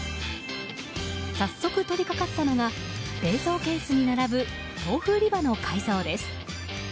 早速とりかかったのが冷蔵ケースに並ぶ豆腐売り場の改造です。